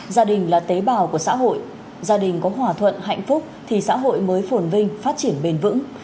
gia đình là tế bào của xã hội gia đình có hòa thuận hạnh phúc thì xã hội mới phồn vinh phát triển bền vững